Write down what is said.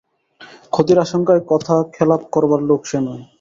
ক্ষতির আশঙ্কায় কথা খেলাপ করবার লোক সে নয়।